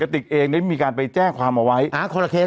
ติกเองได้มีการไปแจ้งความเอาไว้อ่าคนละเคส